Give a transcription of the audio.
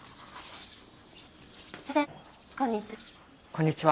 こんにちは。